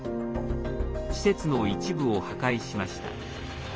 施設の一部を破壊しました。